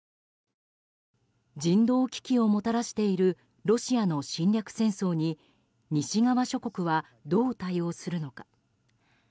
人道危機をもたらしているロシアの侵略戦争に西側諸国はどう対応するのか。